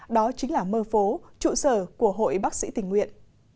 đó chính là mơ phố trụ sở của hội bác sĩ tình nguyện